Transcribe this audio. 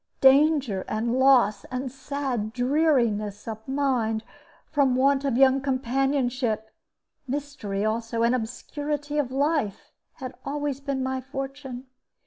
Danger and loss and sad dreariness of mind, from want of young companionship; mystery also, and obscurity of life, had always been my fortune.